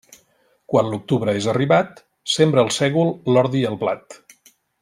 Quan l'octubre és arribat, sembra el sègol, l'ordi i el blat.